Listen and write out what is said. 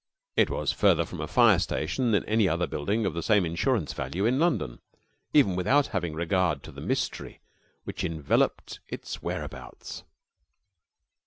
It was further from a fire station than any other building of the same insurance value in London, even without having regard to the mystery which enveloped its whereabouts.